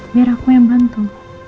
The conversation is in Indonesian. biar aku yang bantu